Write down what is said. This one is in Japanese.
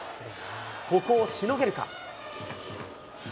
ここをしのげるか。